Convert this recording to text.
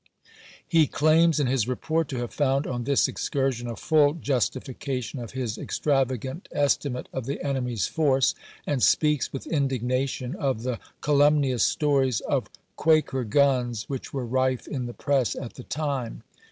^'' He claims in his report to have found on this excursion a full justification of his extravagant estimate of the enemy's force, and speaks with indignation of the calumnious stories of " quaker guns " which were rife in the press at the time.